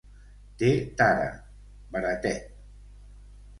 Té tara: baratet!